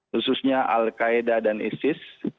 khususnya al qaeda dan isis